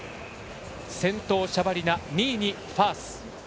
先頭シャバリナ２位にファース。